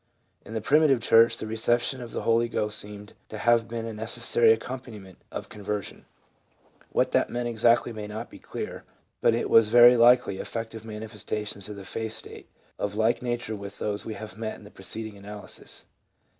In the primitive church the reception of the Holy Ghost seemed to have been a necessary accompaniment of con version ; what that meant exactly may not be clear, but it was very likely affective manifestations of the faith state, of like nature with those we have met in the preceding analysis.